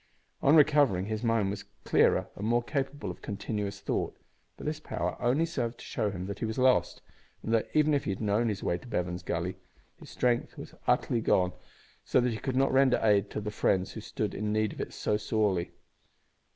On recovering, his mind was clearer and more capable of continuous thought; but this power only served to show him that he was lost, and that, even if he had known his way to Bevan's Gully, his strength was utterly gone, so that he could not render aid to the friends who stood in need of it so sorely.